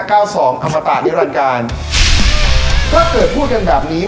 เก้าสองอมตะนิรันการถ้าเกิดพูดกันแบบนี้